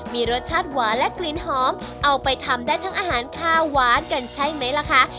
มีรสชาติหวานและกลิ่นหอมเอาไปทำได้ทั้งอาหารข้าวหวานกันใช่ไหมล่ะคะ